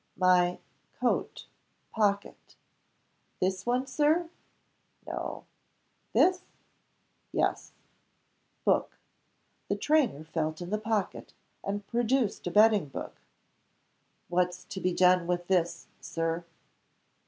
"My coat pocket." "This one, Sir?" "No." "This?" "Yes. Book." The trainer felt in the pocket, and produced a betting book. "What's to be done with this. Sir?"